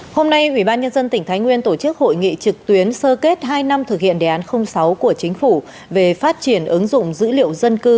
hôm nay ubnd tỉnh thái nguyên tổ chức hội nghị trực tuyến sơ kết hai năm thực hiện đề án sáu của chính phủ về phát triển ứng dụng dữ liệu dân cư